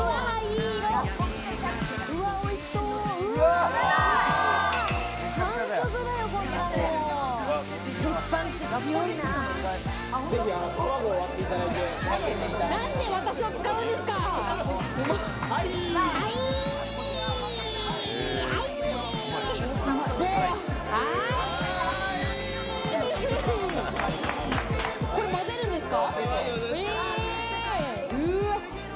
はい１これ混ぜるんですか？